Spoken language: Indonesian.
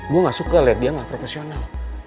gue gak suka liat dia gak profesional